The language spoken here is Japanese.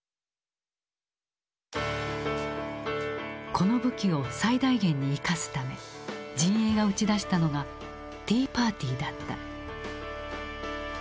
この武器を最大限に生かすため陣営が打ち出したのがティーパーティーだった。